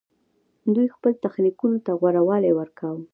دوی خپل تخنیکونو ته غوره والی ورکاوه